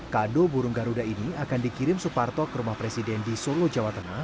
kado burung garuda ini akan dikirim suparto ke rumah presiden di solo jawa tengah